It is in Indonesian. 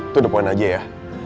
telepon aja ya